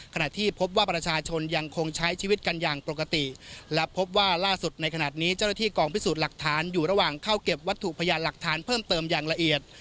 ที่พบว่าประชาชนยังคงใช้ชีวิตกันอย่างปกติและพบว่าล่าสุดในขณะนี้เจ้าหน้าที่กองพิสูจน์หลักฐานอยู่ระหว่างเข้าเก็บวัตถุพยานหลักฐานเพิ่มเติมอย่างละเอียด